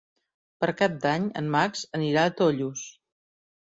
Per Cap d'Any en Max anirà a Tollos.